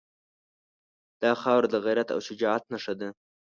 دا خاوره د غیرت او شجاعت نښه ده.